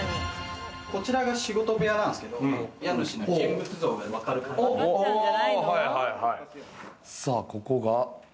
こちらが仕事部屋なんですけれど、家主の人物像が分かるかなと。